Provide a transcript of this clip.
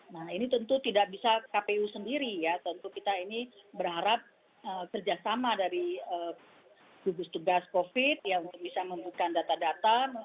nah ini tentu tidak bisa kpu sendiri ya tentu kita ini berharap kerjasama dari gugus tugas covid ya untuk bisa membuka data data